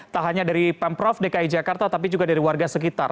tak hanya dari pemprov dki jakarta tapi juga dari warga sekitar